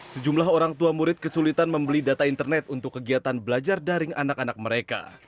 sejumlah orang tua murid kesulitan membeli data internet untuk kegiatan belajar daring anak anak mereka